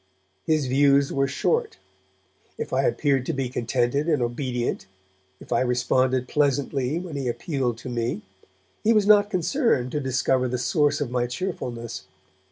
His views were short; if I appeared to be contented and obedient, if I responded pleasantly when he appealed to me, he was not concerned to discover the source of my cheerfulness.